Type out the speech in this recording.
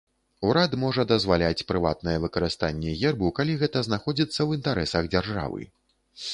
Урад можа дазваляць прыватнае выкарыстанне гербу, калі гэта знаходзіцца ў інтарэсах дзяржавы.